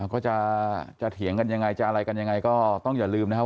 ก็จะเถียงกันยังไงจะอะไรกันยังไงก็ต้องอย่าลืมนะครับ